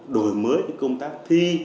đổi mới công tác thi